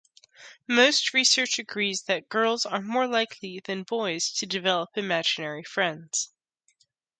Most research agrees that girls are more likely than boys to develop imaginary friends.